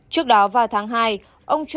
trước đó vào tháng hai ông trump gặp tổng thống trump